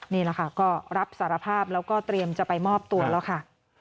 นี่แหละค่ะก็รับสารภาพแล้วก็เตรียมจะไปมอบตัวแล้วค่ะ